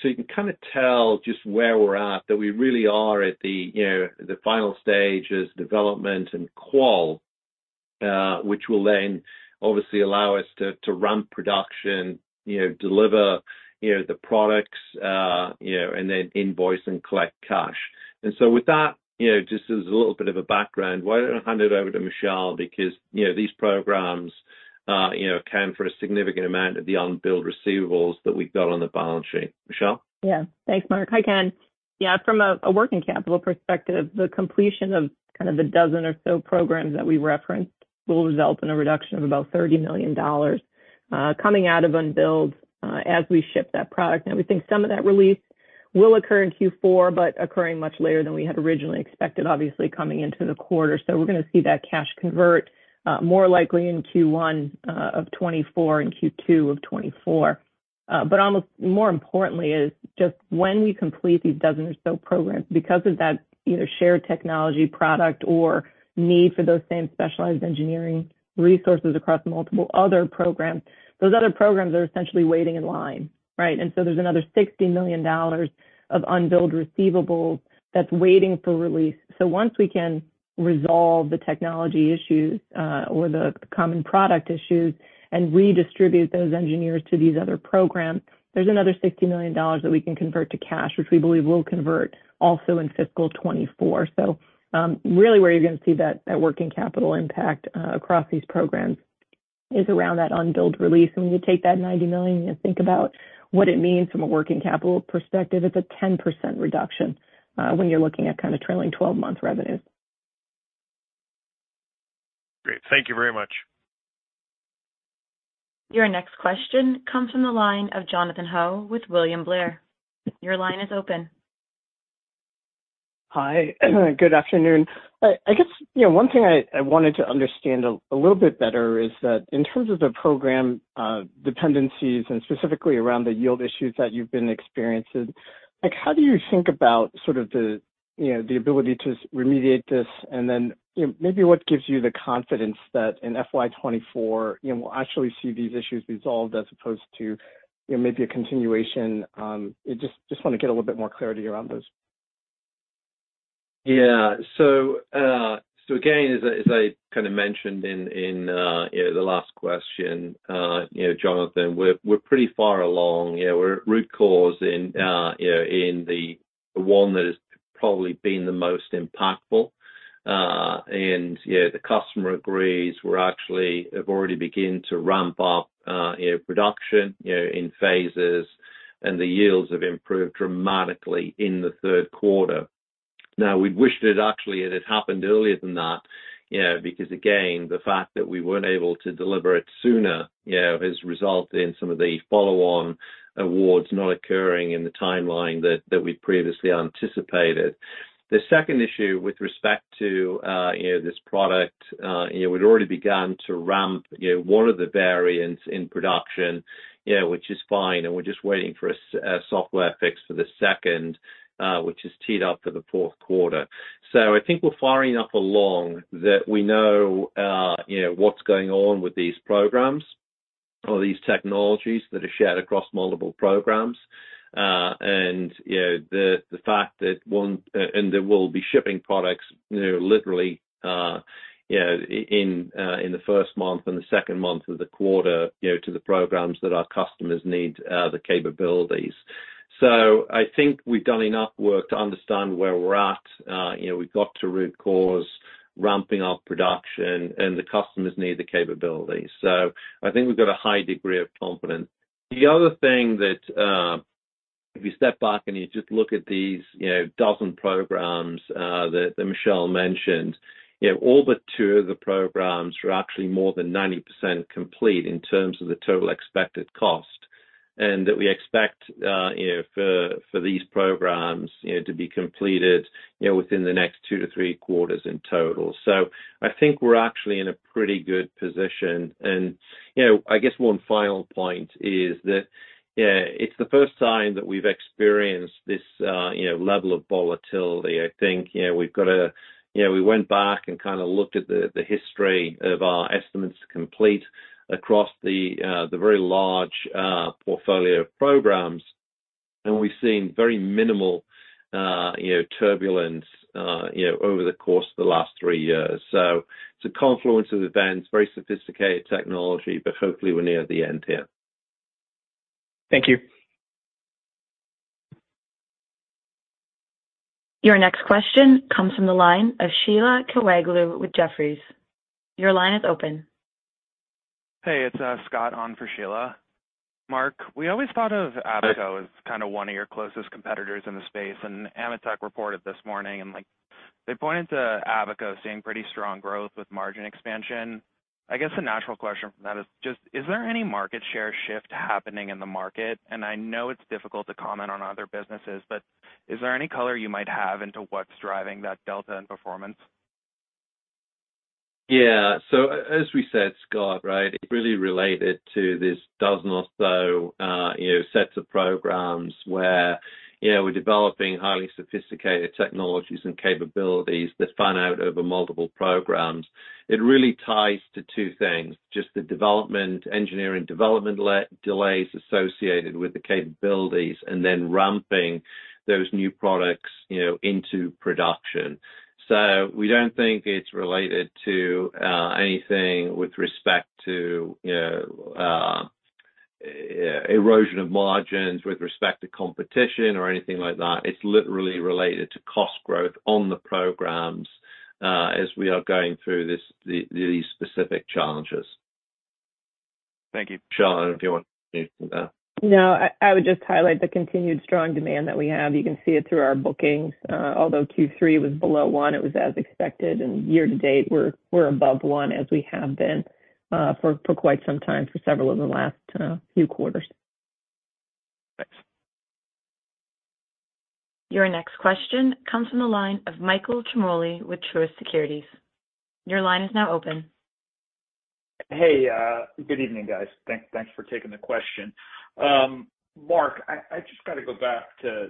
You can kind of tell just where we're at, that we really are at the, you know, the final stages, development and qual, which will then obviously allow us to ramp production, you know, deliver, you know, the products, you know, and then invoice and collect cash. With that, you know, just as a little bit of a background, why don't I hand it over to Michelle, because, you know, these programs, you know, account for a significant amount of the unbilled receivables that we've got on the balance sheet. Michelle? Thanks, Mark. Hi, Ken. Yeah, from a working capital perspective, the completion of kind of a dozen or so programs that we referenced will result in a reduction of about $30 million coming out of unbilled as we ship that product. Now, we think some of that release will occur in Q4, but occurring much later than we had originally expected, obviously, coming into the quarter. We're gonna see that cash convert more likely in Q1 of 2024 and Q2 of 2024. Almost more importantly is just when we complete these dozen or so programs because of that either shared technology product or need for those same specialized engineering resources across multiple other programs, those other programs are essentially waiting in line, right? There's another $60 million of unbilled receivables that's waiting for release. Once we can resolve the technology issues, or the common product issues and redistribute those engineers to these other programs, there's another $60 million that we can convert to cash, which we believe will convert also in fiscal 2024. Really where you're gonna see that working capital impact across these programs is around that unbilled release. When you take that $90 million and you think about what it means from a working capital perspective, it's a 10% reduction when you're looking at kind of trailing 12 month revenue. Great. Thank you very much. Your next question comes from the line of Jonathan Ho with William Blair. Your line is open. Hi, good afternoon. I guess, you know, one thing I wanted to understand a little bit better is that in terms of the program, dependencies and specifically around the yield issues that you've been experiencing, like, how do you think about sort of the, you know, the ability to remediate this? Then, you know, maybe what gives you the confidence that in FY 2024, you know, we'll actually see these issues resolved as opposed to, you know, maybe a continuation. Just wanna get a little bit more clarity around those. Yeah. Again, as I kind of mentioned in, you know, the last question, you know, Jonathan, we're pretty far along. You know, we're at root cause in, you know, in the one that has probably been the most impactful. You know, the customer agrees. We're actually have already begun to ramp up, you know, production, you know, in phases, and the yields have improved dramatically in the Q3. We'd wished it had happened earlier than that, you know, because again, the fact that we weren't able to deliver it sooner, you know, has resulted in some of the follow-on awards not occurring in the timeline that we'd previously anticipated. The second issue with respect to, you know, this product, you know, we'd already begun to ramp, you know, one of the variants in production, you know, which is fine, and we're just waiting for a software fix for the second, which is teed up for the Q4. I think we're far enough along that we know, you know, what's going on with these programs or these technologies that are shared across multiple programs. You know, the fact that they will be shipping products, you know, literally, you know, in the first month and the second month of the quarter, you know, to the programs that our customers need, the capabilities. I think we've done enough work to understand where we're at. You know, we've got to root cause ramping up production, and the customers need the capabilities. I think we've got a high degree of confidence. The other thing that, if you step back and you just look at these, you know, 12 programs, that Michelle mentioned, you know, all but two of the programs are actually more than 90% complete in terms of the total expected cost. That we expect, you know, for these programs, you know, to be completed, you know, within the next two to three quarters in total. I think we're actually in a pretty good position. You know, I guess one final point is that, it's the first time that we've experienced this, you know, level of volatility. I think, you know, we've got to, you know, we went back and kind of looked at the history of our estimates to complete across the very large portfolio of programs, and we've seen very minimal, you know, turbulence, you know, over the course of the last three years. It's a confluence of events, very sophisticated technology, but hopefully we're near the end here. Thank you. Your next question comes from the line of Sheila Kahyaoglu with Jefferies. Your line is open. Hey, it's Scott on for Sheila. Mark, we always thought of Abaco as kind of one of your closest competitors in the space. AMETEK reported this morning, like, they pointed to Abaco seeing pretty strong growth with margin expansion. I guess the natural question from that is just, is there any market share shift happening in the market? I know it's difficult to comment on other businesses, but is there any color you might have into what's driving that delta in performance? As we said, Scott, right, it really related to this dozen or so, you know, sets of programs where, you know, we're developing highly sophisticated technologies and capabilities that span out over multiple programs. It really ties to two things, just the development, engineering development delays associated with the capabilities and then ramping those new products, you know, into production. We don't think it's related to anything with respect to, you know, erosion of margins, with respect to competition or anything like that. It's literally related to cost growth on the programs, as we are going through this, these specific challenges. Thank you. Michelle, I don't know if you want to add to that. No. I would just highlight the continued strong demand that we have. You can see it through our bookings. Although Q3 was below one, it was as expected, and year to date we're above one as we have been for quite some time, for several of the last few quarters. Your next question comes from the line of Michael Ciarmoli with Truist Securities. Your line is now open. Hey, good evening, guys. Thanks for taking the question. Mark, I just gotta go back to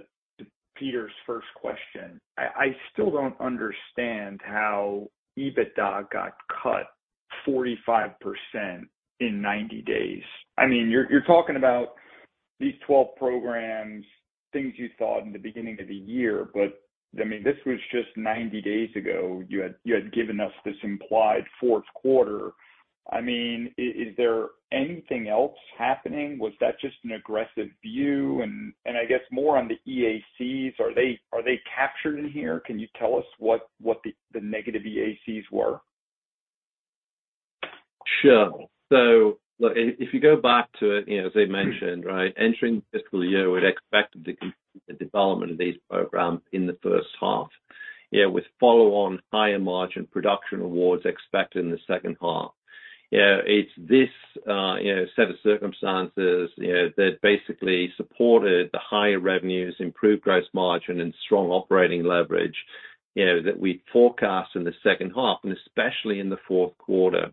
Peter's first question. I still don't understand how EBITDA got cut 45% in 90 days. I mean, you're talking about these 12 programs, things you thought in the beginning of the year. I mean, this was just 90 days ago you had given us this implied Q4. I mean, is there anything else happening? Was that just an aggressive view? And I guess more on the EACs, are they captured in here? Can you tell us what the negative EACs were? Sure. Look, if you go back to, you know, as I mentioned, right, entering the fiscal year, we had expected the development of these programs in the first half. You know, with follow-on higher margin production awards expected in the second half. You know, it's this, you know, set of circumstances, you know, that basically supported the higher revenues, improved gross margin and strong operating leverage, you know, that we forecast in the second half and especially in the Q4.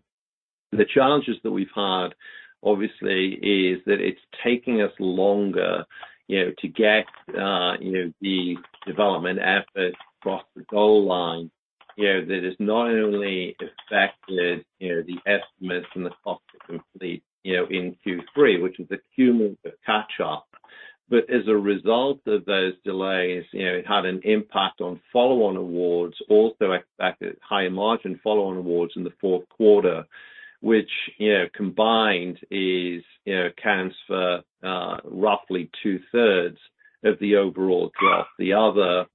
The challenges that we've had, obviously, is that it's taking us longer, you know, to get, you know, the development efforts across the goal line. You know, that has not only affected, you know, the estimates and the cost to complete, you know, in Q3, which is a cumulative catch-up. As a result of those delays, you know, it had an impact on follow-on awards, also affected higher margin follow-on awards in the Q4, which, you know, combined is, you know, accounts for, roughly two-thirds of the overall drop. The other,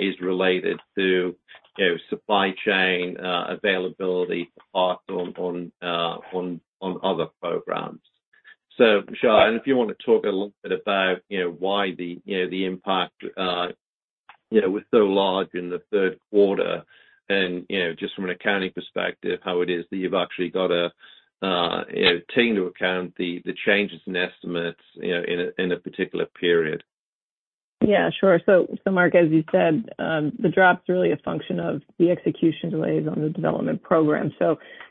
is related to, you know, supply chain, availability also on other programs. Michelle, and if you wanna talk a little bit about, you know, why the, you know, the impact, was so large in the Q3 and, you know, just from an accounting perspective, how it is that you've actually got to, take into account the changes in estimates, you know, in a, in a particular period. Sure. Mark, as you said, the drop's really a function of the execution delays on the development program.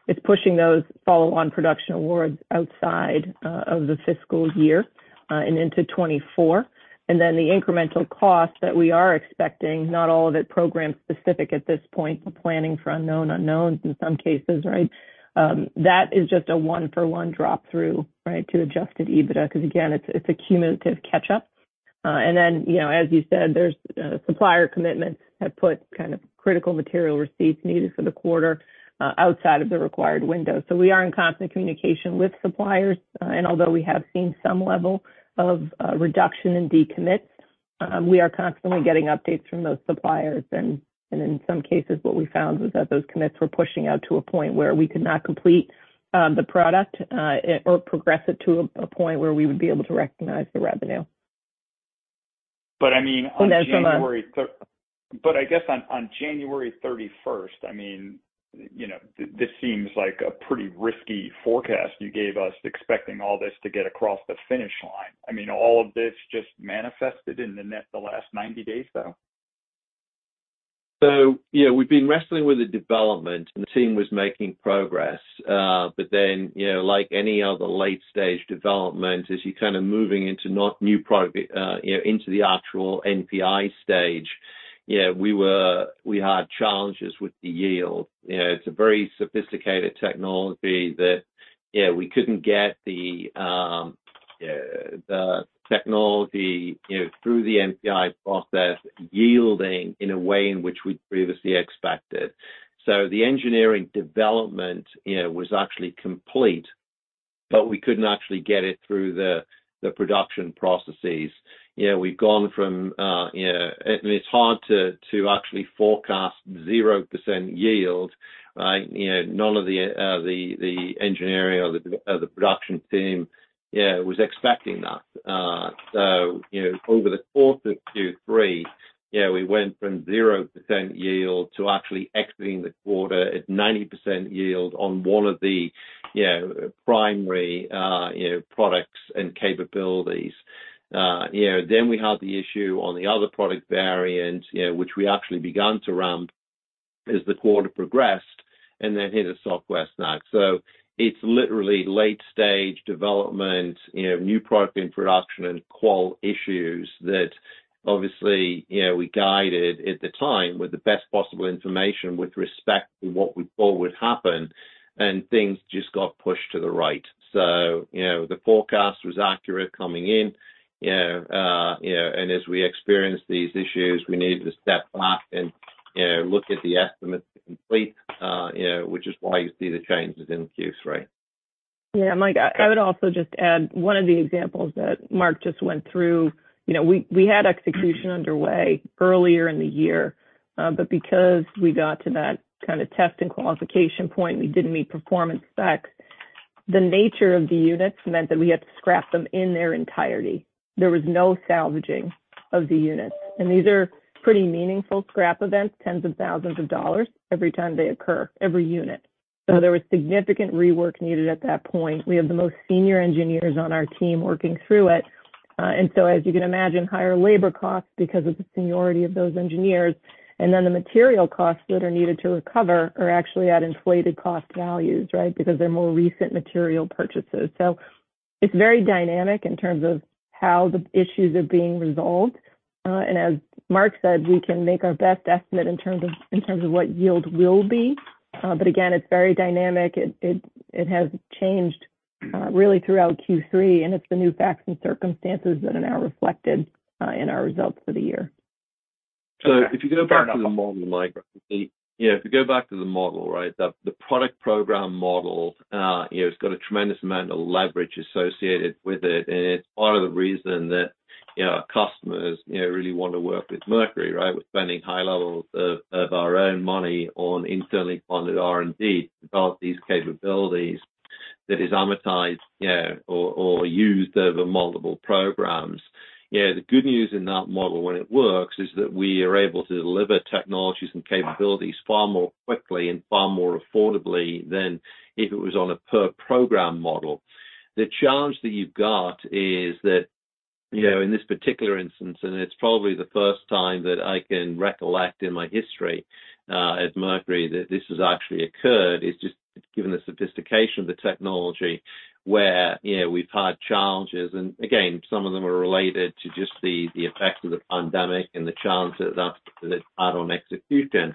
It's pushing those follow-on production awards outside of the fiscal year and into 2024. The incremental cost that we are expecting, not all of it program-specific at this point, we're planning for unknown unknowns in some cases, right? That is just a one-for-one drop-through, right, to adjusted EBITDA because again it's a cumulative catch-up. You know, as you said, there's supplier commitments have put kind of critical material receipts needed for the quarter outside of the required window. We are in constant communication with suppliers, and although we have seen some level of reduction in decommits, we are constantly getting updates from those suppliers. In some cases what we found was that those commits were pushing out to a point where we could not complete the product or progress it to a point where we would be able to recognize the revenue. I mean. then some. I guess on January 31st, I mean, you know, this seems like a pretty risky forecast you gave us expecting all this to get across the finish line. I mean, all of this just manifested in the net the last 90 days, though. Yeah, we've been wrestling with the development and the team was making progress. You know, like any other late-stage development, as you're kind of moving into, you know, into the actual NPI stage, you know, we had challenges with the yield. You know, it's a very sophisticated technology that, you know, we couldn't get the technology, you know, through the NPI process yielding in a way in which we'd previously expected. The engineering development, you know, was actually complete, but we couldn't actually get it through the production processes. You know, we've gone from, you know, I mean, it's hard to actually forecast 0% yield, right? You know, none of the engineering or the production team, you know, was expecting that. You know, over the course of Q3, you know, we went from 0% yield to actually exiting the quarter at 90% yield on one of the, you know, primary, you know, products and capabilities. You know, we had the issue on the other product variant, you know, which we actually begun to ramp as the quarter progressed, and then hit a soft spot snag. It's literally late-stage development, you know, new product introduction and qual issues that obviously, you know, we guided at the time with the best possible information with respect to what we thought would happen, and things just got pushed to the right. You know, the forecast was accurate coming in, you know. You know, as we experienced these issues, we needed to step back and, you know, look at the estimates to complete, you know, which is why you see the changes in Q3. Yeah. Mike, I would also just add one of the examples that Mark just went through. You know, we had execution underway earlier in the year, but because we got to that kind of test and qualification point, we didn't meet performance specs. The nature of the units meant that we had to scrap them in their entirety. There was no salvaging of the units. These are pretty meaningful scrap events, tens of thousands of dollars every time they occur, every unit. There was significant rework needed at that point. We have the most senior engineers on our team working through it. As you can imagine, higher labor costs because of the seniority of those engineers. The material costs that are needed to recover are actually at inflated cost values, right? Because they're more recent material purchases. It's very dynamic in terms of how the issues are being resolved. And as Mark said, we can make our best estimate in terms of what yield will be. But again, it's very dynamic. It has changed, really throughout Q3, and it's the new facts and circumstances that are now reflected, in our results for the year. If you go back to the model, Mike, if you go back to the model, right? The product program model, you know, it's got a tremendous amount of leverage associated with it. It's part of the reason that, you know, our customers, you know, really want to work with Mercury, right? We're spending high levels of our own money on internally funded R&D to develop these capabilities that is amortized, you know, or used over multiple programs. You know, the good news in that model when it works, is that we are able to deliver technologies and capabilities far more quickly and far more affordably than if it was on a per program model. The challenge that you've got is that, you know, in this particular instance, and it's probably the first time that I can recollect in my history, at Mercury that this has actually occurred, is just given the sophistication of the technology where, you know, we've had challenges. Again, some of them are related to just the effects of the pandemic and the challenges that had on execution.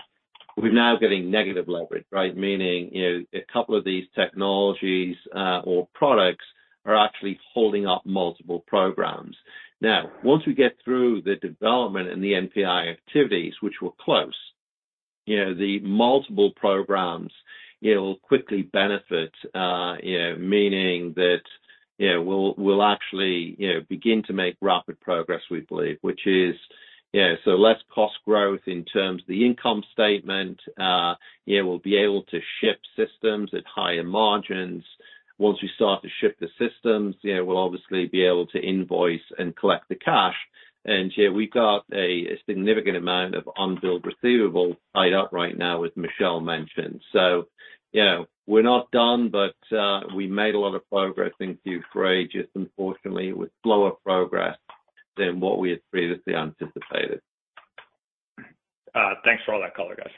We're now getting negative leverage, right? Meaning, you know, a couple of these technologies, or products are actually holding up multiple programs. Now, once we get through the development and the NPI activities, which we're close, you know, the multiple programs, it'll quickly benefit, you know, meaning that, you know, we'll actually, you know, begin to make rapid progress we believe which is, you know, so less cost growth in terms of the income statement. You know, we'll be able to ship systems at higher margins. Once we start to ship the systems, you know, we'll obviously be able to invoice and collect the cash. Yeah, we've got a significant amount of unbilled receivables tied up right now as Michelle mentioned. You know, we're not done. We made a lot of progress in Q3, just unfortunately with slower progress than what we had previously anticipated. Thanks for all that color, guys.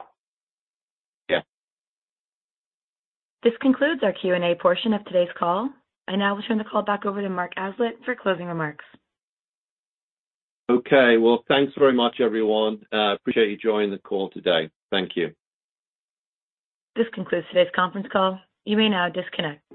Yeah. This concludes our Q&A portion of today's call. I now will turn the call back over to Mark Aslett for closing remarks. Well, thanks very much everyone. Appreciate you joining the call today. Thank you. This concludes today's conference call. You may now disconnect.